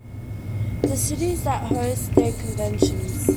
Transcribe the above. The cities that host their conventions.